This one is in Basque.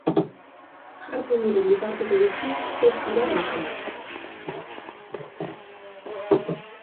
Jartzen diren bitarteko guztiak ez dira nahikoa.